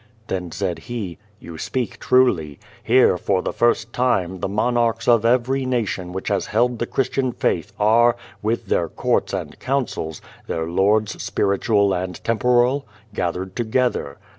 Then said he, "You speak truly. Here, for the first time, the monarchs of every nation which has held the Christian faith are, with their courts and councils, their lords spiritual and temporal, gathered together.